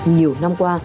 nhiều năm qua